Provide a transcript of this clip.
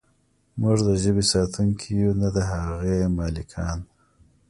موږ د ژبې ساتونکي یو نه د هغې مالکان.